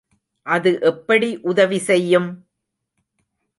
அது எப்படி உதவி செய்யும்?